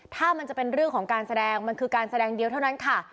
ถ้ามันจะเป็นเรื่องของการแสดงมันคือการแสดงเดียวเท่านั้นค่ะ